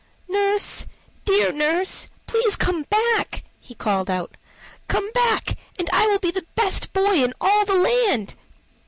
"Nurse, dear nurse, please come back!" he called out. "Come back, and I will be the best boy in all the land."